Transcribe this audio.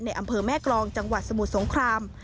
อำเภอแม่กรองจังหวัดสมุทรสงคราม